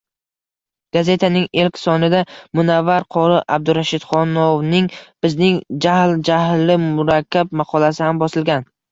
Gazetaning ilk sonida Munavvar qori Abdurashidxonovning “Bizning jahl, jahli murakkab” maqolasi ham bosilgan.